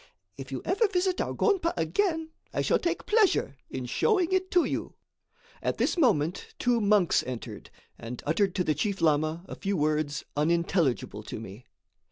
If you ever visit our gonpa again, I shall take pleasure in showing it to you." At this moment two monks entered, and uttered to the chief lama a few words unintelligible to me.